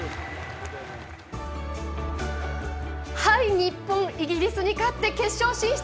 日本、イギリスに勝って決勝進出！